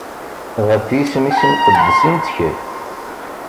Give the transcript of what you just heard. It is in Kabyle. Ɣef yisem-is imqeddes i nettkel.